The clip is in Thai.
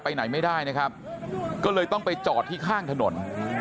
ไหนไม่ได้นะครับก็เลยต้องไปจอดที่ข้างถนน